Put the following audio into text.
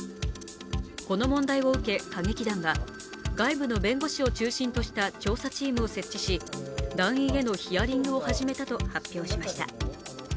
この問題を受け、歌劇団は外部の弁護士を中心とした調査チームを設置し、団員へのヒアリングを始めたと発表しました。